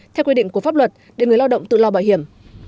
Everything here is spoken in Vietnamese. theo quy định của pháp luật để người lao động tự lo bảo hiểm